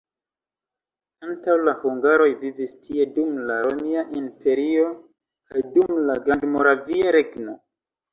Antaŭ la hungaroj vivis tie dum la Romia Imperio kaj dum la Grandmoravia Regno.